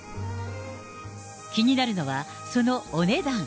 気になるのは、そのお値段。